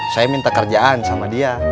saya minta kerjaan sama dia